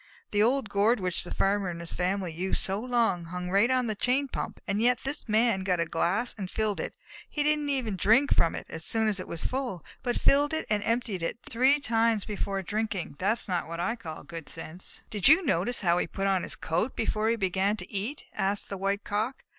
The old gourd which the Farmer and his family used so long, hung right on the chain pump, and yet this Man got a glass and filled it. He did not even drink from it as soon as it was full, but filled and emptied it three times before drinking. That is not what I call good sense." "Did you notice how he put on his coat before he began to eat?" asked the White Cock.